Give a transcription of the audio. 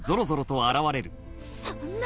そんな。